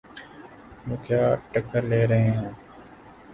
وہ کیا ٹکر لے رہے ہیں؟